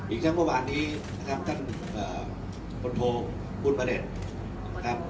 อีกทั้งเมื่อวานนี้นะครับท่านอ่าบนโทคุณบะเน็ตครับ